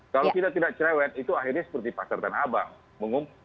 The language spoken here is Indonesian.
kalau kita tidak cerewet itu akhirnya seperti pasar tanah abang